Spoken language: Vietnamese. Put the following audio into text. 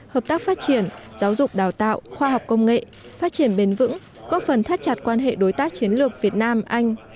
hợp tác phát triển giáo dục đào tạo khoa học công nghệ phát triển bền vững góp phần thắt chặt quan hệ đối tác chiến lược việt nam anh